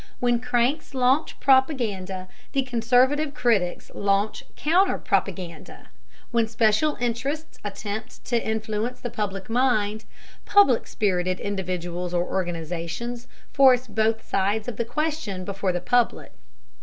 When cranks launch propaganda, conservative critics launch counter propaganda; when special interests attempt to influence the public mind, public spirited individuals or organizations force both sides of the question before the public.